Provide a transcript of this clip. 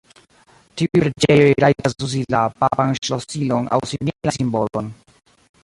Tiuj preĝejoj rajtas uzi la papan ŝlosilon aŭ similajn simbolojn.